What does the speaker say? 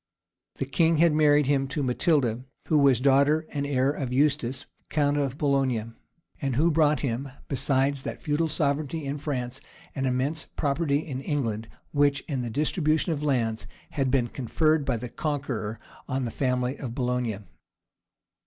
[*] The king had married him to Matilda, who was daughter and heir of Eustace, count of Boulogne, and who brought him, besides that feudal sovereignty in France, an immense property in England, which, in the distribution of lands, had been conferred by the Conqueror on the family of Boulogne.